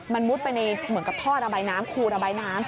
มันมุดไปในเหมือนกับท่อระบายน้ำคูณระบายน้ำ